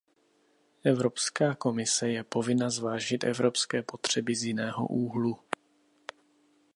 Evropská komise je povinna zvážit evropské potřeby z jiného úhlu.